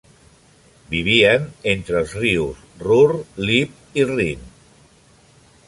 Vivien entre els rius Ruhr, Lippe i Rin.